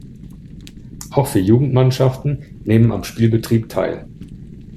Auch vier Jugend-Mannschaften nehmen am Spielbetrieb teil.